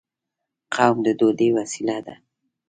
قوم د دوی وسیله ده.